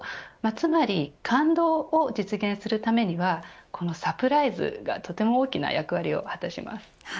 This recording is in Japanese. つまり、感動を実現するためにはこのサプライズがとても大きな役割を果たします。